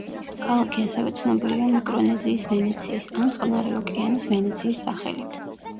ქალაქი ასევე ცნობილია „მიკრონეზიის ვენეციის“ ან „წყნარი ოკეანის ვენეციის“ სახელით.